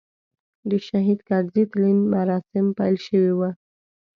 د شهید کرزي تلین مراسیم پیل شوي و.